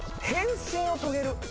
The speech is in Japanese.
「変身をトげる」